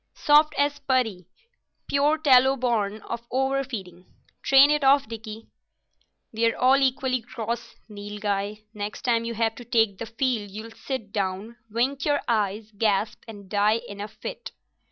"Soft as putty—pure tallow born of over feeding. Train it off, Dickie." "We're all equally gross, Nilghai. Next time you have to take the field you'll sit down, wink your eyes, gasp, and die in a fit."